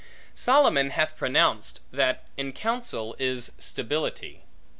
Solomon hath pronounced, that in counsel is stability.